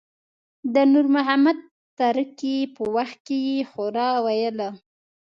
د نور محمد تره کي په وخت کې يې هورا ویله.